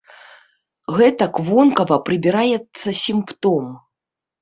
Гэтак вонкава прыбіраецца сімптом.